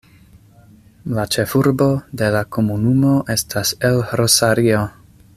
La ĉefurbo de la komunumo estas El Rosario.